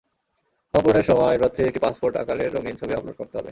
Form পূরণের সময় প্রার্থীর একটি পাসপোর্ট আকারের রঙিন ছবি আপলোড করতে হবে।